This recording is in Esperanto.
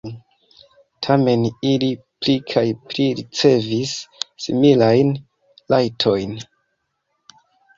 Tamen ili pli kaj pli ricevis similajn rajtojn.